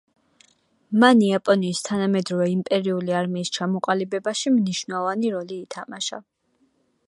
მან იაპონიის თანამედროვე იმპერიული არმიის ჩამოყალიბებაში მნიშვნელოვანი როლი ითამაშა.